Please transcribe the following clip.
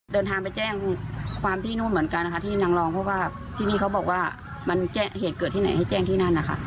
เดินทางไปแจ้งความที่นู่นเหมือนกันนะคะที่นางรองเพราะว่าที่นี่เขาบอกว่ามันเหตุเกิดที่ไหนให้แจ้งที่นั่นนะคะ